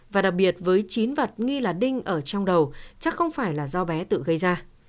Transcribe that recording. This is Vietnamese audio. và đặc biệt với chín vật nghi là đinh ở trong đầu chắc không phải là do bé tự gây ra